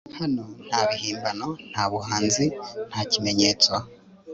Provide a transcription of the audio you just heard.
hano, nta bihimbano, nta buhanzi nta kimenyetso